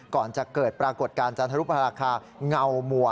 ก่อนจะเกิดปรากฏการณ์จันทรุปราคาเงามัว